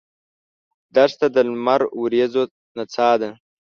دښته د لمر وریځو نڅا ده.